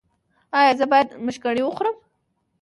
ایا زه باید مشګڼې وخورم؟